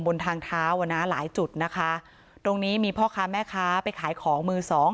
บนทางเท้าอ่ะนะหลายจุดนะคะตรงนี้มีพ่อค้าแม่ค้าไปขายของมือสอง